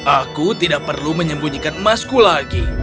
aku tidak perlu menyembunyikan emasku lagi